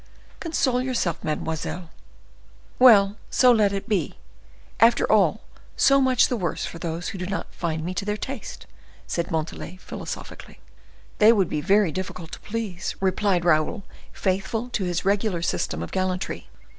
"Console yourself, mademoiselle." "Well, so let it be! After all, so much the worse for those who do not find me to their taste!" said Montalais, philosophically. "They would be very difficult to please," replied Raoul, faithful to his regular system of gallantry.